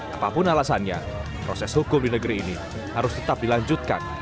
apapun alasannya proses hukum di negeri ini harus tetap dilanjutkan